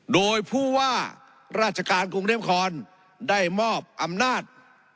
โดยผู้ว่าราชการกรุงเทพนครได้มอบอำนาจ